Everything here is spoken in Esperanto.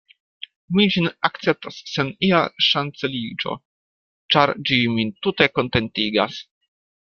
Mi ĝin akceptas sen ia ŝanceliĝo; ĉar ĝi min tute kontentigas.